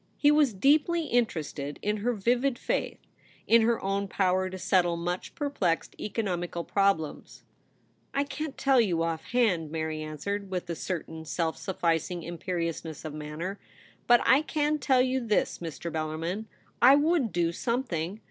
He was deeply interested in her vivid faith — in her own power to settle much perplexed economical problems. ' I can't tell you offhand,' Mary answered, with a certain self sufficing imperiousness of manner. ' But I can tell you this, Mr. Bel larmin, I would do something".